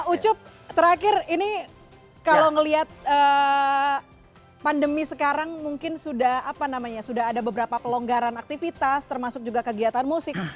ucup terakhir ini kalau ngelihat pandemi sekarang mungkin sudah apa namanya sudah ada beberapa pelonggaran aktivitas termasuk juga kegiatan musik